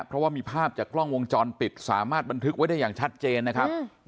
เพราะว่ามีภาพจากกล้องวงจรปิดสามารถบันทึกไว้ได้อย่างชัดเจนนะครับ